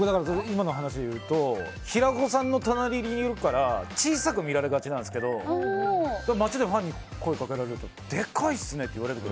今の話でいうと平子さんの隣にいるから小さく見られがちなんですけど街でファンに声をかけられるとでかいですねって言われて。